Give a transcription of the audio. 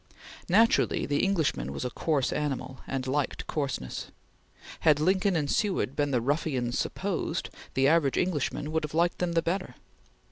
Naturally the Englishman was a coarse animal and liked coarseness. Had Lincoln and Seward been the ruffians supposed, the average Englishman would have liked them the better.